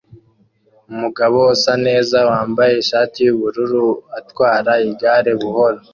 Umugabo usa neza wambaye ishati yubururu atwara igare buhoro